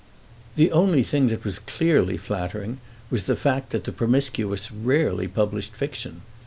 The only thing that was clearly flattering was the fact that the Promiscuous rarely published fiction.